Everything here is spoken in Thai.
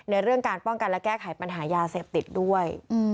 เรื่องการป้องกันและแก้ไขปัญหายาเสพติดด้วย